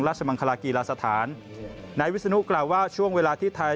มังคลากีฬาสถานนายวิศนุกล่าวว่าช่วงเวลาที่ไทย